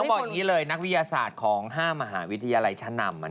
บอกอย่างนี้เลยนักวิทยาศาสตร์ของ๕มหาวิทยาลัยชั้นนำ